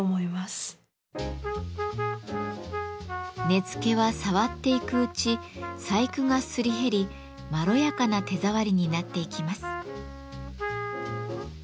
根付は触っていくうち細工がすり減りまろやかな手触りになっていきます。